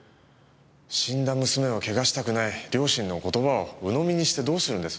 死んだ娘を汚したくない両親の言葉を鵜呑みにしてどうするんです。